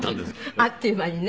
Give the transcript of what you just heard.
あっという間にね